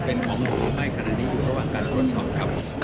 เป็นของหนูให้ขนาดนี้อยู่ระหว่างการกดสอบครับ